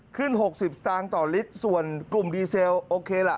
หกสิบสตางค์ต่อลิตรส่วนกลุ่มดีเซลโอเคล่ะ